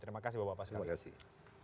terima kasih bapak pak sekarang terima kasih